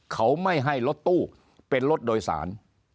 เขาไม่ให้รถตู้เป็นรถโดยสาร